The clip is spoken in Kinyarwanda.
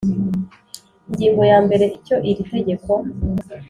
Ingingo ya mbere Icyo iri tegeko